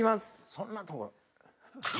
そんなとこ。